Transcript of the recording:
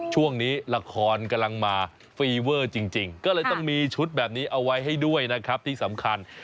ช่วงนี้ละครกำลังมาฟีเวอร์จริงก็เลยต้องมีชุดแบบนี้เอาไว้ให้ด้วยนะครับที่สำคัญ